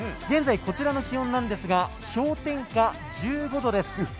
現在のこちらの気温ですが氷点下１５度です。